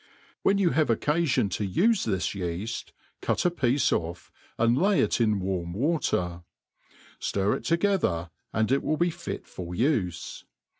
Whew you have occafion to ufe this yeaft ciit a. piece ofF, and lay it in warm water ; ftir it together, and it will be fit for ufe.